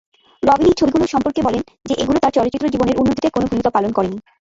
রবিন এই ছবিগুলো সম্পর্কে বলেন যে এগুলো তার চলচ্চিত্র জীবনের উন্নতিতে কোন ভূমিকা পালন করে নি।